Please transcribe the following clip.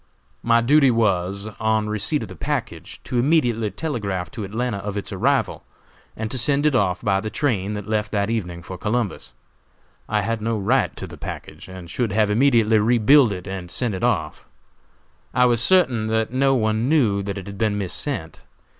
My duty was, on receipt of the package, to immediately telegraph to Atlanta of its arrival, and to send it off by the train that left that evening for Columbus. I had no right to the package, and should have immediately re billed it and sent it off. I was certain that no one knew that it had been missent.